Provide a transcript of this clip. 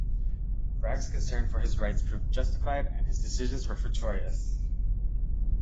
Bragg's concern for his right proved justified and his decisions were fortuitous.